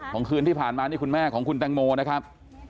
คืนที่ผ่านมานี่คุณแม่ของคุณแตงโมนะครับ